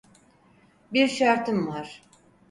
Bir şartım var.